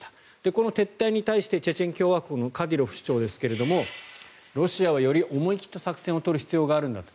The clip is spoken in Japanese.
この撤退に対してチェチェン共和国のカディロフ首長ですがロシアはより思い切った作戦を取る必要があるんだと。